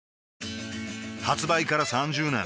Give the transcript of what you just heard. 発売から３０年